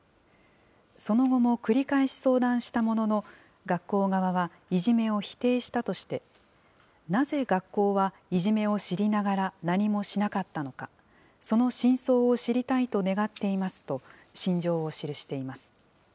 その後も繰り返し相談したものの、学校側はいじめを否定したとして、なぜ学校はいじめを知りながら、何もしなかったのか、その真相を知りたいと願っていますと、心情を記しています。